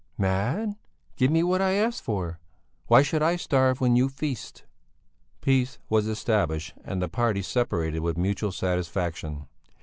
"Mad? Give me what I ask for. Why should I starve when you feast?" Peace was established and the parties separated with mutual satisfaction.